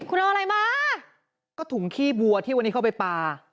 คุณเอาอะไรมาก็ถุงขี้วัวที่วันนี้เข้าไปปลา